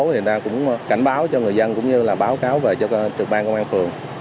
thì ta cũng cảnh báo cho người dân cũng như là báo cáo về cho trực ban công an phường